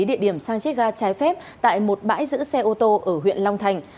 địa điểm sang chiếc ga trái phép tại một bãi giữ xe ô tô ở huyện long thành